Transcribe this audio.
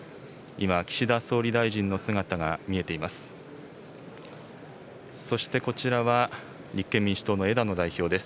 今、岸田総理大臣の姿が見えています。